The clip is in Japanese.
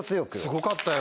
すごかったよ